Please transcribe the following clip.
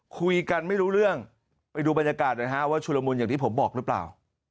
คุยกันไม่รู้เรื่องไปดูบรรยากาศหน่อยฮะว่าชุลมุนอย่างที่ผมบอกหรือเปล่า